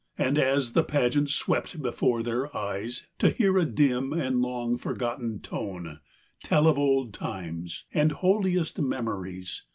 And as the pageant swept before their eyes To hear a dim and long forgotten tone Tell of old times, and holiest memories.